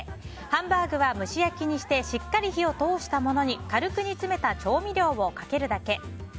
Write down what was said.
ハンバーグは、蒸し焼きにしてしっかり火を通したものに軽く煮詰めた調味料をかけるだけ。